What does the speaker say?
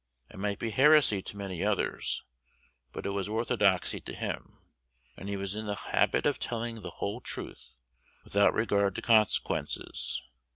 It might be heresy to many others, but it was orthodoxy to him; and he was in the habit of telling the whole truth, without regard to consequences.